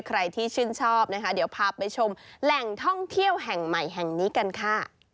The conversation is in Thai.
ใครที่ชื่นชอบนะคะเดี๋ยวพาไปชมแหล่งท่องเที่ยวแห่งใหม่แห่งนี้กันค่ะ